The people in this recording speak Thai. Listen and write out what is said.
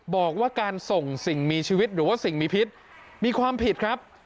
บอกว่าการส่งสิ่งมีชีวิตหรือว่าสิ่งมีพิษมีความผิดครับ